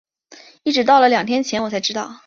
一直到了前两天我才知道